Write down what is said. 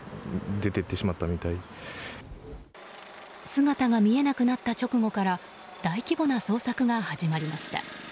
姿が見えなくなった直後から大規模な捜索が始まりました。